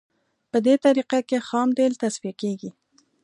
په دې طریقه کې خام تیل تصفیه کیږي